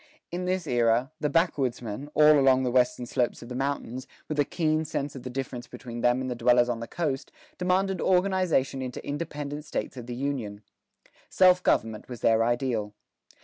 In this era, the backwoodsmen, all along the western slopes of the mountains, with a keen sense of the difference between them and the dwellers on the coast, demanded organization into independent States of the Union. Self government was their ideal.